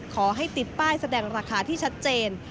ขอให้ติดป้ายแสดงราคาที่ชัดเจน